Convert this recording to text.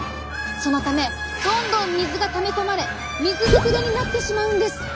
そのためどんどん水がため込まれ水ぶくれになってしまうんです。